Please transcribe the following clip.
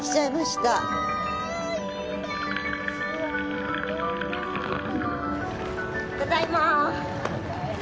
ただいま。